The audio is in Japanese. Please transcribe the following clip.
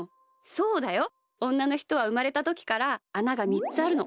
そうだよ。おんなのひとはうまれたときからあなが３つあるの。